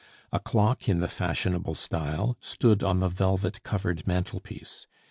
A clock in the fashionable style stood on the velvet covered mantelpiece.